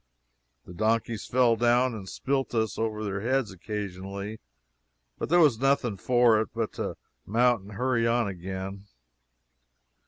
The donkeys fell down and spilt us over their heads occasionally, but there was nothing for it but to mount and hurry on again.